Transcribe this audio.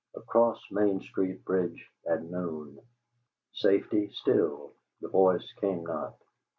"'ACROSS MAIN STREET BRIDGE AT NOON!'" Safety still; the voice came not.